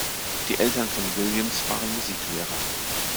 Die Eltern von Williams waren Musiklehrer.